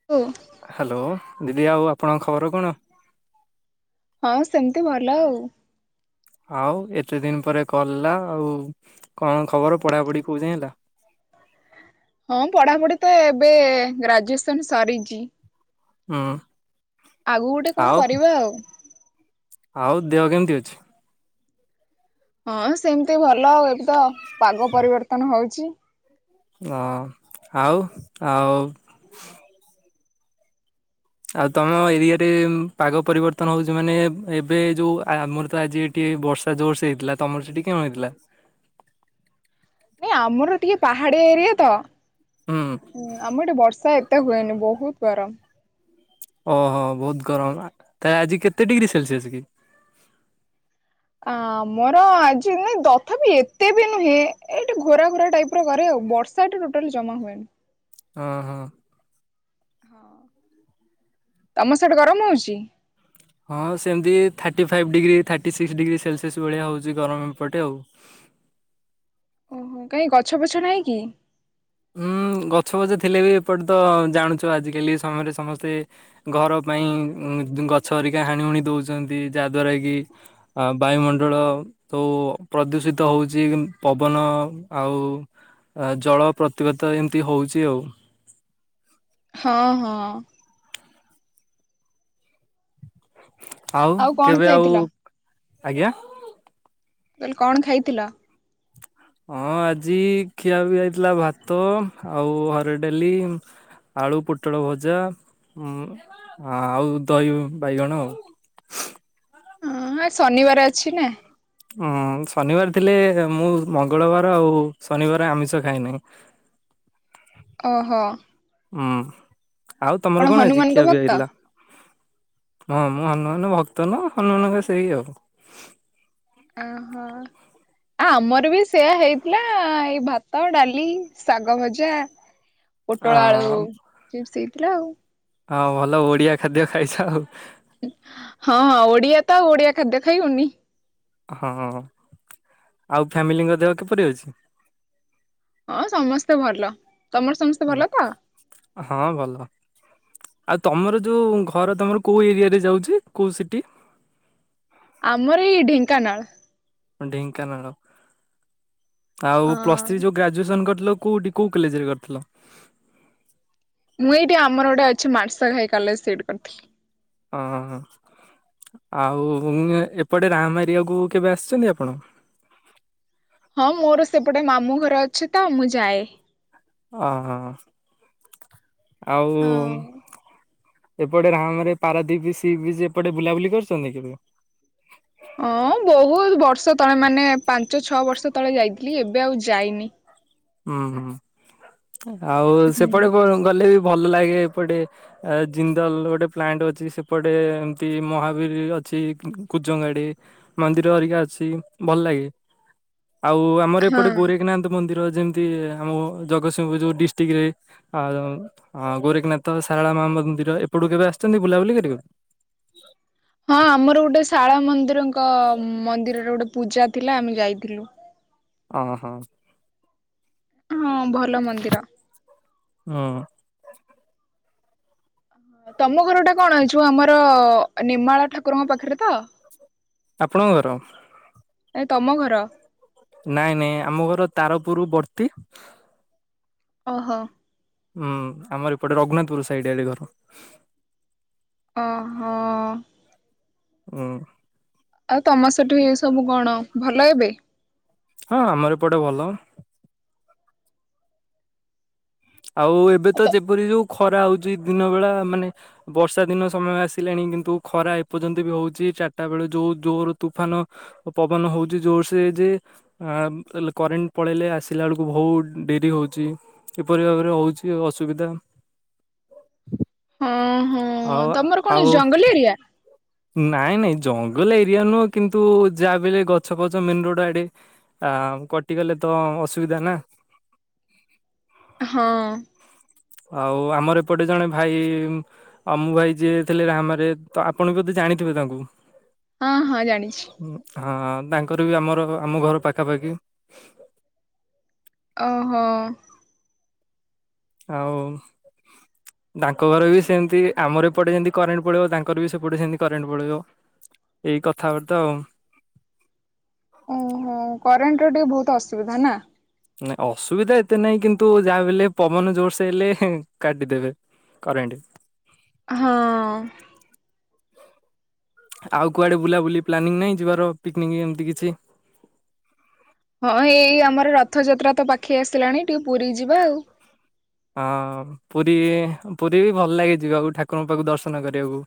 ଉଁ। ହାଲୋ ଦିଦି ବାବୁ ଆପଣଙ୍କ ଖବର କଣ? ହଁ ସେମିତି ଭଲ ଆଉ। ଆଉ ଏତେ ଦିନ ପରେ କଲା ଆଉ କଣ ଖବର ପଢାପଢି କୋଉ ଯାଏ ହେଲା। ହଁ ପଢାପଢି ତ ଏବେ ଗ୍ରାଜୁଏସନ ସରିଚି। ଉଁ। ଆଗୁକୁ ଗୋଟେ କଣ କରିବା ଆଉ। ଆଉ ଦେହ କେମିତି ଅଛି? ହଁ ସେମିତି ଭଲ ଆଉ ଏଠି ତ ପାଗ ପରିବର୍ତ୍ତନ ହଉଚି। ହଁ ଆଉ ଆଉ। ଆଉ ତମ ଏରିଆରେ ପାଗ ପରିବର୍ତ୍ତନ ହଉଛି ମାନେ ଏବେ ଯୋଉ ଆମର ତ ଆଜି ଏ ଟିକେ ବର୍ଷା ଜୋର ସେ ହେଇଥିଲା ତମର ସେଠି କେମିତି ଥିଲା? ନାଇଁ ଆମର ଟିକେ ପାହାଡ ଏରିଆ ତ। ହୁଁ। ହୁଁ ଆମର ଏଠି ବର୍ଷା ଏତେ ହୁଏନି ବହୁତ୍ ଗରମ। ଓହୋ ବହୁତ୍ ଗରମ ନା ତା ଆଜି କେତେ ଡିଗ୍ରୀ ସେଲସିଏସ୍ କି? ଆମର ଆଜି ନାଇଁ ଦଥାପି ଏତେ ବି ନୁହେଁ ଏଇ ଟିକେ ଘୋରା ଘୋରା ଟାଇପ୍ ର କରେ ଆଉ ବର୍ଷ ବର୍ଷା ଏଇଠି ଟୋଟାଲ ଜମା ହୁଏନି। ଅ ହଁ। ହଁ ତମ ସିଆଡେ ଗରମ ହଉଚି? ହଁ ସେମିତି thirty five degree thirty six degree Celsius ଭଳିଆ ହଉଛି ଗରମ ଏପଟେ ଆଉ ଓହୋ କାହିଁ ଗଛ ଫଛ ନାହିଁ କି? ହୁଁ ଗଛ ବଛ ଥିଲେ ବି ଏପଟେ ତ ଜାଣୁଛୁ ଆଜିକାଲି ସମୟରେ ସମସ୍ତେ ଘର ପାଇଁ ଗଛ ହେରିକା ହାଣି ହୁଣି ଦେଉଛନ୍ତି ଯାହାଦ୍ୱାରା କି ଆ ବାୟୁମଣ୍ଡଳ ତ ପ୍ରଦୂଷିତ ହଉଚି ପବନ ଆଉ ଆ ଜଳ ପ୍ରତିବତ ଏମିତି ହେଉଛି ଆଉ। ହଁ ହଁ। ଆଉ କଣ କେବେ ଆଉ ଖାଇଥିଲ? ଆଜ୍ଞା। କହିଲି କଣ ଖାଇଥିଲ? ହଁ ଆଜି ଖିଆ ପିଆ ହେଇଥିଲା ଭାତ ଆଉ ହରଡ ଡାଲି ଆଳୁ ପୋଟଳ ଭଜା ଉ ଆଉ ଦହି ବାଇଗଣ ଆଉ ଉଁ ଆଜି ଶନିବାରେ ଅଛି ନା। ଉଁ ଶନିବାର ଥିଲେ ମୁଁ ମଙ୍ଗଳ ବାର ଆଉ ଶନିବାର ଆମିଷ ଖାଏନାହିଁ। [inaudible] ଓହୋ। ଉଁ ଆଉ ଆପଣ ତମର କଣ ଆଜି ହନୁମାନଙ୍କ ଖିଆ ପିଆ ଭକ୍ତ ହେଇଥିଲା? ହଁ ମୁଁ ହନୁମାନ ଭକ୍ତ ନୁ ହନୁମାନଙ୍କ ସେଇ ଆଉ। ଓହୋ। ଆ ଆମର ବି ସେଇଆ ହେଇଥିଲା ଏଇ ଭାତ ଡାଲି ଶାଗ ଭଜା। [inaudible] ପୋଟଳ ଆଳୁ ଚିପ୍ସ ହେଇଥିଲା ଆଉ ହଁ ଭଲ ଓଡିଆ ଖାଦ୍ୟ ଖାଇସ ଆଉ ହଁ ହଁ ଓଡିଆ ତ ଆଉ ଓଡିଆ ଖାଦ୍ୟ ଖାଇବୁନି। ହଁ ଆଉ ଫ୍ୟାମିଲିଙ୍କ ଦେହ କିପରି ଅଛି? ହଁ ସମସ୍ତେ ଭଲ। ତମର ସମସ୍ତେ ହୁଁ ଭଲ ତ? ହଁ ଭଲ। ଆଉ ତମର ଯୋଉ ଘର ତମର କୋଉ ଏରିଆରେ ଯାଉଛି କୋଉ ସିଟି? ଆମର ଏଇ ଢେଙ୍କାନାଳ। ଢେଙ୍କାନାଳ ଆଉ ହଁ। ପ୍ଲସ ଥ୍ରି ଯୋଉ ଗ୍ରା ଗ୍ରାଜୁଏସନ୍ କରିଥିଲ କେଉଁଠି କୋଉ କଲେଜରେ କରିଥିଲ? ମୁଁ ଏଇଠି ଆମର ଗୋଟେ ଅଛି ମାର୍ଷଘାଇ କଲେଜ ସେଇଠି କରିଥିଲି। ହଁ ଆଉ ଏପଟେ ରା ମାରିବାକୁ କେବେ ଆସିଛନ୍ତି ଆପଣ? ହଁ ମୋର ସେପଟେ ମାମୁଁ ଘର ଅଛି ତ ମୁଁ ଯାଏ। ଅ ହ ଆଉ ହଁ। ଏପଟେ ରାମରେ ପାରାଦୀପ ସି ବିଜ୍ ଏପଟେ ବୁଲାବୁଲି କରିୁଛନ୍ତି କେବେ? ହଁ ବହୁତ ବର୍ଷ ତଳେ ମାନେ ପାଞ୍ଚ ଛଅ ବର୍ଷ ତଳେ ଯାଇଥିଲି ଏବେ ଆଉ ଯାଇନି। ହୁଁ ହୁଁ ଆଉ ହୁଁ ସେପଟେ ଗଲେ ବି ଭଲ ଲାଗେ ଏପଟେ ଆ ଜିନ୍ଦାଲ ଗୋଟେ ପ୍ଲାଣ୍ଟ ଅଛି ସେପଟେ ଏମତି ମହାବୀର ଅଛି କୁଜ ଗାଡି ମନ୍ଦିର ଅରିକା ଅଛି ଭଲ ଲାଗେ ଆଉ ଆମର ଏପଟେ ହଁ। ଗୋରେଖନାଥ ମନ୍ଦିର ଯେମି ତି ଆମ ଜଗତସିଂହପୁର ଯୋଉ ଡିଷ୍ଟ୍ରିକ୍ଟରେ ଆ ହଁ ଗୋରେଖନାଥ ଶାରଳା ମା ମନ୍ଦିର ଏପଟୁ କେବେ ଆସୁଛନ୍ତି ବୁଲାବୁଲି କରିବାକୁ? ହଁ ଆମର ଗୋଟେ ଶାଳ ମନ୍ଦିରଙ୍କ ମନ୍ଦିରରେ ଗୋଟେ ପୂଜା ଥିଲା ଆମେ ଯାଇଥିଲୁ। ଅ ହ। ହଁ ଭଲ ମନ୍ଦିର। ହଁ। ତମ ଘର ଟା କଣ ଅଛୁ ଆମର ନିର୍ମାଳା ଠାକୁରଙ୍କ ପାଖରେ ତ। ଆପଣଙ୍କ ଘର? ଏ ତମ ଘର। ନାଇଁ ନାଇଁ ଆମ ଘର ତାରପୁର ବର୍ତ୍ତି ଓ ହୋ। ହୁଁ ଆମର ଏପଟେ ରଗୁନାଥପୁର ସାଇଡ୍ ଆଡ଼େ ଘର। ଓ ହୋ। ହୁଁ। ଆଉ ତମ ସେଠୁ ଏ ସବୁ କଣ ଭଲ ଏବେ? ହଁ ଆମର ଏ ପଟେ ଭଲ। ଆଉ ଏବେ ତ ଯେପରି ଯୋଉ ଖରା ହଉଛି ଦିନ ବେଳା ମାନେ ବର୍ଷା ଦିନ ସମୟ ଆସିଲାଣି କିନ୍ତୁ ଖରା ଏପର୍ଯ୍ୟନ୍ତ ବି ହଉଛି ଚାରିଟା ବେଳେ ଯୋଉ ଜୋର ତୁଫାନ ପବନ ହଉଛି ଜୋରସରେ ଯେ, ଆ କରେଣ୍ଟ ପଳେଇଲେ ଆସିଲା ବେଳକୁ ବହୁତ ଡେରି ହଉଛି। କିପରି ଭାବରେ ହେଉଛି ଅସୁବିଧା? ହଁ ହଁ ଆଉ ତମର କଣ ଆଉ ଜଙ୍ଗଲି ଏରିଆ? ନାଇଁ ନାଇଁ ଜଙ୍ଗଲ ଏରିଆ ନୁହଁ କିନ୍ତୁ ଯାହା ବେଲେ ଗଛ ପଛ ମେନ ରୋଡ ଆଡେ ଆ କଟିଗଲେ ତ ଅସୁବିଧା ନା। ହଁ। ଆଉ ଆମର ଏପଟେ ଜଣେ ଭାଇ ଅମଁ ଭାଇ ଯିଏ ଥିଲେ ରାମରେ ତ ଆପଣ ବି ବୋଧେ ଜାଣିଥିବେ ତାଙ୍କୁ। ହଁ ହଁ ଜାଣିଛି। ହଁ ହଁ। ତାଙ୍କର ବି ଆମର ଆମ ଘର ପାଖାପାଖି। ଓ ହୋ। ଆଉ, ତାଙ୍କ ଘର ବି ସେମିତି ଆମର ଏପଟେ ଯେମିତି କରେଣ୍ଟ ପଳେଇବ ତାଙ୍କର ବି ସେପଟେ ସେମିତି କରେଣ୍ଟ ପଳେଇବ। ଏଇ କଥାବାର୍ତ୍ତା ଆଉ। ଓହୋ କରେଣ୍ଟ ର ଟିକେ ବହୁତ ଅସୁବିଧା ନା। ନାଇଁ ଅସୁବିଧା ଏତେ ନାଇଁ କିନ୍ତୁ ଯାହା ବିହେଲେ ପବନ ଜୋରସେ ହେଲେ କାଟିଦେବେ। କରେଣ୍ଟ। ହଁ। ଆଉ କୁଆଡେ ବୁଲାବୁଲି ପ୍ଲାନିଂ ନାହିଁ ଯିବାର ପିକନିକ୍ ଏମିତି କିଛି। ହଁ ଏଇ ଆମର ରଥଯାତ୍ରା ତ ପାଖେଇ ଆସିଲାଣି ଟିକେ ପୁରୀ ଯିବା ଆଉ। ହଁ ପୁରୀ ପୁରୀ ବି ଭଲ ଲାଗେ ଯିବାକୁ ଠାକୁରଙ୍କ ପାଖକୁ ଦର୍ଶନ କରିବାକୁ।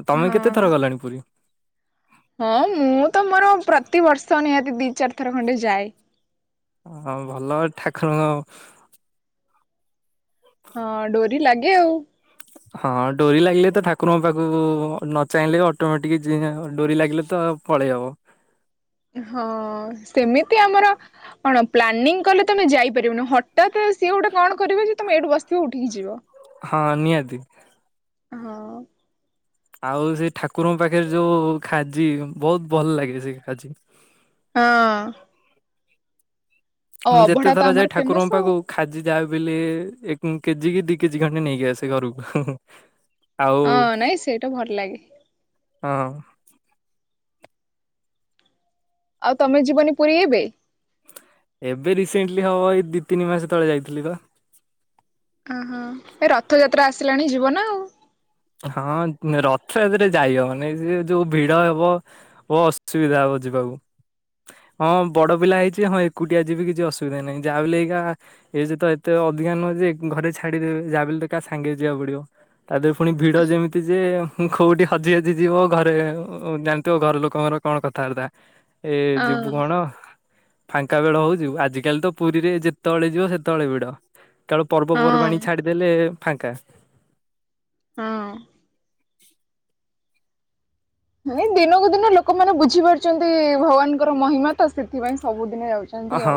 ଆଉ ତମେ ହଁ। କେତେଥର ଗଲାଣି ପୁରୀ। ହଁ ମୁଁ ତ ମୋର ପ୍ରତିିବର୍ଷ ନିହାତି ଦି ଚାରି ଥର ଖଣ୍ଡେ ଯାଏ। ହଁ ଭଲ ଠାକୁରଙ୍କ। ହଁ ଡୋରି ଲାଗେ ଆଉ। ହଁ ଡୋରି ଲାଗିଲେ ତ ଠାକୁରଙ୍କ ପାଖକୁ ନ ଚାହିଁଲେ ଅଟୋମେଟିକ ଡୋରି ଲାଗିଲେ ତ। ପଳେଇ ହେବ। ହଁ ସେମିତି ଆମର। କଣ ପ୍ଲାନିଂ କଲେ ତମେ ଯାଇପାରିବନି ହଠାତ୍ ସିଏ ଗୋଟେ କଣ କରିବ ଯେ ତମେ ଏଇଠୁ ବସଥିବ ଉଠିକି ଯିବ। ହଁ ନିହାତି। ହଁ। ଆଉ ସେ ଠାକୁରଙ୍କ ପାଖରେ ଯୋଉ ଖାଜି ବହୁତ ଭଲ ଲାଗେ ସେ ଖାଜି। ହଁ। ଆଉ ମୁଁ ଯେତେ ଅଭଢା ତ ଥର ଆମର ଯାଏ ଫେମସ ଠାକୁରଙ୍କ ଆଉ। ପାଖକୁ। ଖାଜି ଯା ବିହେଲେ ଏକ କେଜି କି ଦି କେଜି ଖଣ୍ଡେ ନେଇକି ଆସ ଘରକୁ। ଆଉ ହଁ ନାଇଁ ସେଇଟା ଭଲ ଲାଗେ ହଁ। ଆଉ ତମେ ଯିବନି ପୁରୀ ଏବେ। ଏବେ ରିସେଣ୍ଟଲି ହବ ଏଇ ଦୁଇ ତିନି ମାସ ତଳେ ଯାଇଥିଲି ତ। ଓହୋ ଏ ରଥଯାତ୍ରା ଆସିଲାଣି ଯିବ ନା ଆଉ। ହଁ ରଥଯାତ୍ରାରେ ଯାଇ ହବନି ସେ ଯୋଉ ଭିଡ ହବ। ଅସୁବିଧା ହବ ଯିବାକୁ। ହଁ ବଡ ପିଲା ହେଇଛି ହଁ ଏକୁଟିଆ ଯିବି କିଛି ଅସୁବିଧା ନାହିଁ ଯାହା ବି ହେଲେ ଏଇକା। ଏଜ୍ ତ ଏତେ ଅଧିକା ନୁହେଁ ଯେ ଘରେ ଛାଡିଦେବେ ଯାହା ବି ହେଲେ ତ କାହା ସାଙ୍ଗେ ଯିବାକୁ ପଡିବ ତା ଦେହରେ। ପୁଣି ଭିଡ଼ ଯେମିତି ଯେ କୋଉଠି ହଜି ହାଜି ଯିବ ଘରେ ଜାଣିଥିବ ଘର ଲୋକଙ୍କର କଣ କଥାବାର୍ତ୍ତା। ଏ ହଁ ଯିବୁ କଣ। ଫାଙ୍କା ବେଳ ହଉ ଯିବ ଆଜିକାଲି ତ ପୁରୀରେ ଯେତେବେଳେ ଯିବ ସେତେବେଳେ ଭିଡ଼। କେବଳ ପର୍ବପର୍ବାଣୀ ହଁ ଛାଡିଦେଲେ ଫାଙ୍କା। ହଁ। [unintelligible] ନାଇଁ ଦିନକୁ ଦିନ ଲୋକମାନେ ବୁଝିପାରୁଛନ୍ତି ଭଗବାନଙ୍କର ମହିମା ତ ସେଥିପାଇଁ ସବୁଦିନ ଯାଉଛି। ହଁ।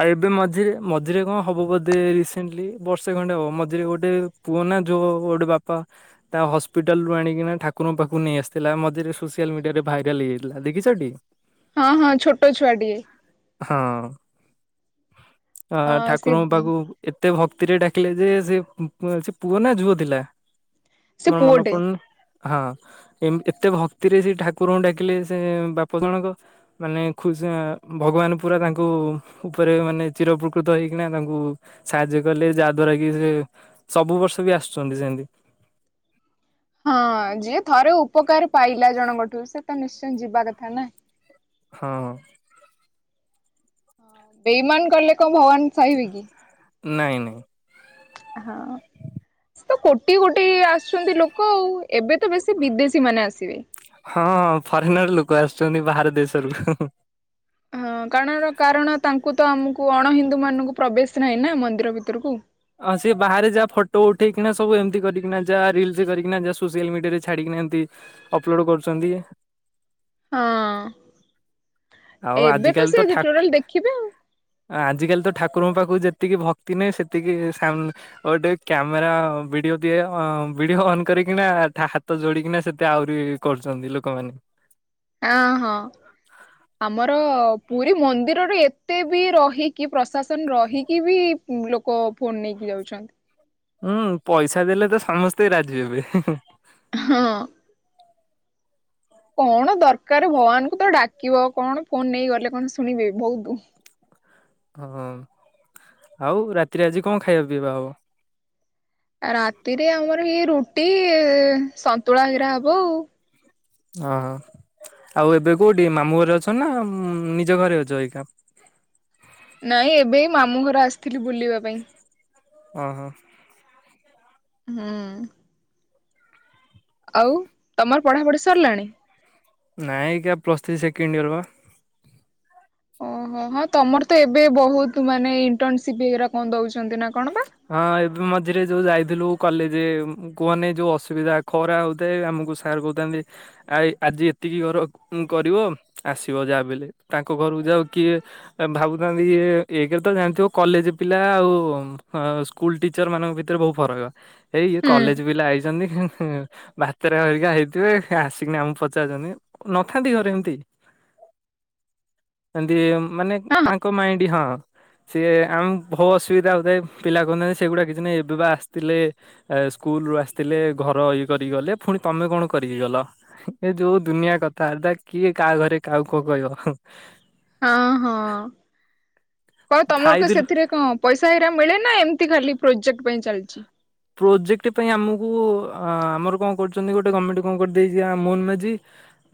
ଆଉ ଏବେ ମଝିରେ ମଝିରେ କଣ ହବ ବୋଧେ ରିସେଣ୍ଟଲି ବର୍ଷେ ଖଣ୍ଡେ ହବ ମଝିରେ ଗୋଟେ। ପୁଅ ନା ଯୋଉ ଗୋଟେ ବାପା। ତା ହସ୍ପିଟାଲ ରୁ ଆଣିକିନା ଠାକୁର ପାଖକୁ ନେଇ ଆସିଥିଲା ମଝିରେ ସୋସିଆଲ ମିଡିଆରେ ଭାଇରାଲ ହେଯାଇଥିଲା ଦେଖିଛ ଟି। ହଁ। ହଁ ହଁ ଛୋଟ ଛୁଆଟିଏ। ହଁ। ଅ ହଁ ସେ ଠାକୁରଙ୍କ ପାଖକୁ ଏତେ ଭକ୍ତିରେ ଡାକିଲେ ଯେ ସେ ସେ ପୁଅ ନା ଝୁଅ ଥିଲା। ସେ ମୋର ମନ ପୁଅଟେ। ପଡୁନି। ହଁ ଏତେ ଭକ୍ତିରେ ସେ ଠାକୁରଙ୍କୁ ଡାକିଲେ ସେ ବାପ ଜଣଙ୍କ। ମାନେ ଖୁସି ଭଗବାନ ପୁରା ତାଙ୍କୁ। ଉପରେ ମାନେ ଚିରଉପକୃତ ହେଇକିନା ତାଙ୍କୁ ସାହାଯ୍ୟ କଲେ ଯାହା ଦ୍ଵାରା କି ସେ। ସବୁ ବର୍ଷ ବି ଆସୁଛନ୍ତି ସେମିତି। ହଁ ଯିଏ ଥରେ ଉପକାର ପାଇଲା ଜଣଙ୍କ ଠୁ ସେ ତ ନିଶ୍ଚୟ ଯିବା କଥା ନା। ହଁ। ବେଇମାନ କଲେ କଣ ଭଗବାନ ସହିବେ କି। ନାଇଁ ନାଇଁ। ହଁ। [inaudible] ତ କୋଟି କୋଟି ଆସୁଛନ୍ତି ଲୋକ ଆଉ ଏବେ ତ ବେଶୀ ବିଦେଶୀ ମାନେ ଆସିବେ। ହଁ ଫରେନର ଲୋକ ଆସୁଛନ୍ତି ବାହାର ଦେଶରୁ। ହଁ କାରଣ କାରଣ ତାଙ୍କୁ ତ ଆମକୁ ଅଣ ହିନ୍ଦୁ ମାନଙ୍କୁ ପ୍ରବେଶ ନାହିଁ ନା ମନ୍ଦିର ଭିତରକୁ। ହଁ ସିଏ ବାହାରେ ଯାହା ଫଟୋ ଉଠେଇକିନା ସବୁ ଏମିତି କରିକିନା ଯା ରିଲରେ କରିକିନା ଯାହା ସୋସିଆଲ ମିଡିଆ ଛଡିକିନା ଏମିତି ଅପଲୋଡ଼୍ କରୁଛନ୍ତି। ହଁ ଆଉ ଏବେ ତ ଆଜିକାଲି ସେଏ ଠାକୁ ଟୋଟାଲ ଦେଖିବେ ଆଉ। ଆଜିକାଲି ତ ଠାକୁରଙ୍କ ପାଖକୁ ଯେତିକି ଭକ୍ତି ନହି ସେତିକି ଟେ କ୍ୟାମେରା ଭିଡିଓ ଦିଏ ଭିଡିଓ ଅନ୍ କରିକିନା ହାତ ଯୋଡିକିନା ସେତେ ଆହୁରି କରୁଛନ୍ତି ଲୋକମାନେ। ଆଁ ହଁ। ଆମର ପୁରୀ ମନ୍ଦିରରେ ଏତେ ବି ରହିକି ପ୍ରଶାସନ ରହିକି ବି ଲୋକ ଫୋନ ନେଇକି ଯାଉଛନ୍ତି। ହୁଁ ପଇସା ଦେଲେ ତ ସମସ୍ତେ ରାଜି ହେବେ। ହଁ। କଣ ଦରକାର ଭଗବାନଙ୍କୁ ତ ଡାକିବ କଣ ଫୋନ ନେଇ ଗଲେ କଣ ଶୁଣିବେ ବହୁତ ହଁ ଆଉ ରାତିରେ ଆଜି କଣ ଖାଇବା ପିଇବା ହବ। ଆ ରାତିରେ ଆମର ଇଏ ରୁଟି ସନ୍ତୁଳା ଘିରା ହବ ଆଉ। ହଁ। ଆଉ ଏବେ କୋଉଠି ମାମୁଁ ଘରେ ଅଛ ନା ନିଜ ଘରେ ଅଛ ଏଇନା? ନାଇଁ ଏବେ ମାମୁଁ ଘର ଆସିଥିଲି ବୁଲିବା ପାଇଁ। ଓହୋ। ହୁଁ। ଆଉ ତମର ପଢାପଢି ସରିଲାଣି? ନାଇଁ କା ପ୍ଲସ୍ ଥ୍ରୀ ସେକେଣ୍ଡ ଇୟର ବା। ଓହୋ ହଁ ତମର ତ ଏବେ ବହୁତ ମାନେ ଇଣ୍ଟର୍ନସିପ ବଗ କଣ ଦଉଛନ୍ତି ନା କଣ ବା ହଁ ଏବେ ମଝିରେ ଯୋଉ ଯାଇଥିଲୁ କଲେଜ କୁହନି ଯୋଉ ଅସୁବିଧା ଖରା ହଉଥାଏ ଆମକୁ ସାର୍ କହୁଥାନ୍ତି ଆ ଆଜି ଏତିକି ଘର କରିବ ଆସିବ ଯାହା ବେଲେ ତାଙ୍କ ଘରକୁ ଯାଉ କିଏ ଭାବୁଥାନ୍ତି ଇ ଏଇରେ ତ ଜାଣିଥିବ କଲେଜ ପିଲା ଆଉ ହଁ ସ୍କୁଲ ଟିଚର ମାନଙ୍କ ଭିତରେ ବହୁତ ଫରକ ଏଇ ଇଏ ହୁଁ କଲେଜ ହଁ ପିଲା ଆଇଛନ୍ତି। ବାତରା କରିକା ହେଇଥିବେ ଆସିକି ଆମକୁ ପଚାରୁଛନ୍ତି ନଥାନ୍ତି ଘରେ ଏମତି? ଏମିତି ମାନେ ହଁ। ଆଙ୍କ ମାଇଣ୍ଡ ହଁ ସିଏ ଆମ ବହୁ ଅସୁବିଧା ହଉଥାଏ। ପିଲା କହୁଥାନ୍ତି ସେଗୁଡ଼ାକ କିଛି ନାହିଁ ଏବେ ବା ଆସିଥିଲେ। ସ୍କୁଲ ରୁ ଆସିଥିଲେ ଘର ଇଏ କରିକି ଗଲେ ପୁଣି ତମେ କଣ କରିକି ଗଲ। ଏ ଯୋଉ ଦୁନିଆ କଥା ତା କିଏ କାହା ଘରେ କାହା କ କହିବ ଆଉ ହଁ ହଁ କହ ତମର କ ଥାଇଥିଲୁ ସେଥିରେ କଣ? ପଇସା ଏଇରା ମିଳେ ନା ଏମିତି ଖାଲି ପ୍ରୋଜେକ୍ଟ ପାଇଁ ଚାଲିଛି? ପ୍ରୋଜେକ୍ଟ ପାଇଁ ଆମକୁ ଆମର କଣ କରୁଛନ୍ତି ଗୋଟେ ଗଭର୍ଣମେଣ୍ଟ କଣ କରିଦେଇଛି ମୋହନ ମାଝି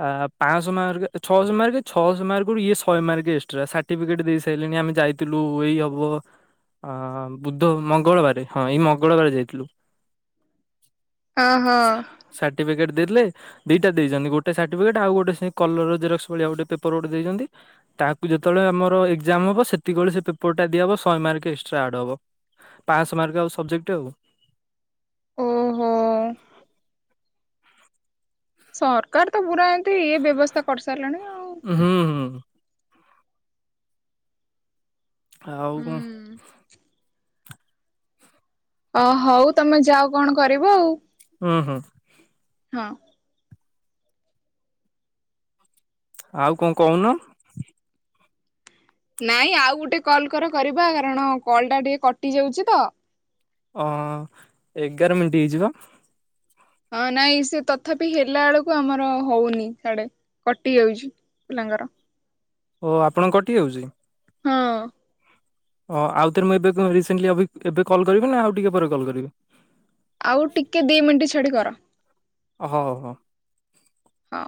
ଆ ପାଞ୍ଚଶହ ମାର୍କ ଛଅଶହ ମାର୍କ ଛଅଶହ ମାର୍କରୁ ଇଏ ଶହ ମାର୍କ ଏକ୍ସଟ୍ରା ସା ଟ ଦେଇ ସାରିଲେଣି ଆମେ ଯାଇଥିଲୁ ଏଇ ହବ ଅ ବୁଦ୍ଧ ମଙ୍ଗଳବାର ହଁ ଏଇ ମଙ୍ଗଳବାର ଯାଇଥିଲୁ। ଓହୋ। ସାର୍ଟିଫିକେଟ ଦେଲେ। ଦିଟା ଦେଇଛନ୍ତି ଗୋଟେ ସାର୍ଟିଫିକେଟ ଆଉ ଗୋଟେ କଲରର ଭଳିଆ ଗଟେ ପେପର ଗୋଟେ ଦେଇଛନ୍ତି। ତାକୁ ଯେତେବେଳେ ଆମର ଏକ୍ଜାମ ହବ ସେତିକବେଳେ ସେ ପେପରଟା ଦିଆହବ ଶହେ ମାର୍କ ଏକ୍ସଟ୍ରା ଆଡ୍ ହବ। ପାସ ମାର୍କ ଆ ସବଜେକ୍ଟ ଆଉ। ଓହୋ ସରକାର ତ ବୁରା ଏନ୍ତି ଇଏ ବ୍ୟବସ୍ଥା କରିସାରିଲାଣି ଆଉ। ହୁଁ। ହୁଁ। ଆଉ କଣ? ଅ ହଉ ତମେ ଯାଅ କଣ କରିବ ଆଉ। ହୁଁ ହୁଁ। ହଁ। ଆଉ କଣ କହୁନ? ନାଇଁ ଆଉ ଗୋଟେ କଲ୍ କର କରିବା କାରଣ କଲ ଟା ଟିକେ କଟି ଯାଉଛି ତ। ଅ ଏଗାର ମିନିଟ୍ ହେଇଯିବ। ହଁ ନାଇଁ ସେ ତଥାପି ହେଲା ବେଳକୁ ଆମର ହଉନି ସାଡେ। କଟି ଯାଉଛି ପିଲାଙ୍କର। ଓ ଆପଣଙ୍କ କଟି ଯାଉଛି? ହଁ। ଓ ଆଉଥରେ ମୁଁ ଏବେ ରିସଣ୍ଟଲି ଏବେ କଲ୍ କରିବି ନା ଆଉ ଟିକେ ପରେ କଲ୍ କରିବି? ଆଉ ଟିକିଏ ଦୁଇ ମିନିଟ୍ ଛାଡ଼ି କର। ଓହୋ ହୋ। ହଁ।